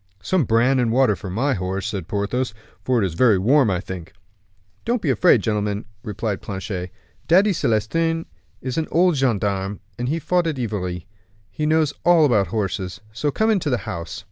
"Some bran and water for my horse," said Porthos, "for it is very warm, I think." "Don't be afraid, gentlemen," replied Planchet; "Daddy Celestin is an old gendarme, who fought at Ivry. He knows all about horses; so come into the house."